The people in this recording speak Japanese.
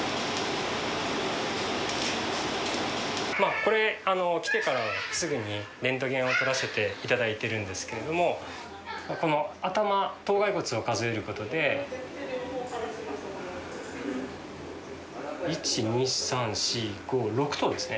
まぁこれ来てからすぐにレントゲンを撮らせていただいてるんですけれどもこの頭頭蓋骨を数えることで１２３４５６頭ですね